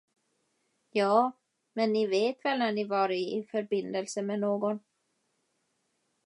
Ja, men ni vet väl när ni varit i förbindelse med någon.